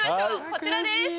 こちらです！